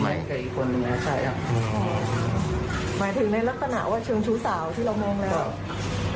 ใช่หมายถึงในลักษณะว่าเชิงชู้สาวที่เรามองแล้ว